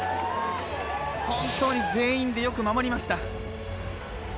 本当に全員でよく守りました。